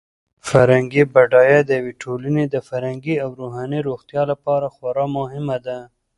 فرهنګي بډاینه د یوې ټولنې د فکري او روحاني روغتیا لپاره خورا مهمه ده.